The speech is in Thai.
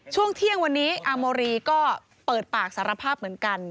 ช่วงเที่ยงวันนี้อาโมรีก็เปิดปากสารภาพเหมือนกัน